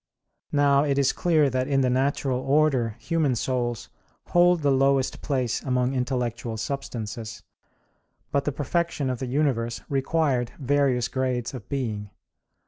Now it is clear that in the natural order human souls hold the lowest place among intellectual substances. But the perfection of the universe required various grades of being.